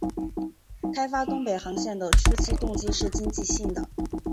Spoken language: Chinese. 开发东北航线的初期动机是经济性的。